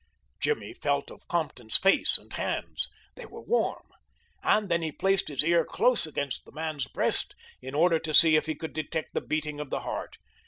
Jimmy felt of Compton's face and hands. They were warm. And then he placed his ear close against the man's breast, in order to see if he could detect the beating of the heart.